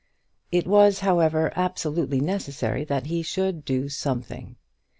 It was, however, absolutely necessary that he should do something.